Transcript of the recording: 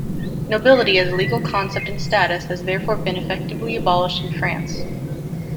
"Nobility", as a legal concept and status, has therefore been effectively abolished in France.